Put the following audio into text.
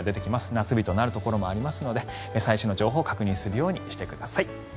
夏日となるところもありますので最新の情報を確認するようにしてください。